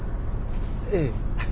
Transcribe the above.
ええ。